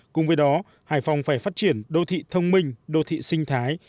cùng với đó hải phòng phải phát triển đô thị thông minh đô thị sinh thái